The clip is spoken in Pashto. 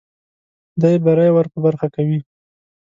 خدای بری ور په برخه کوي.